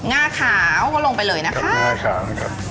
ง่าขาวก็ลงไปเลยนะครับ